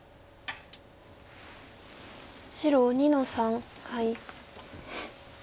白２の三ハイ。